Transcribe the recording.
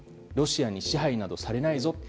ロシアに支配などされないぞ。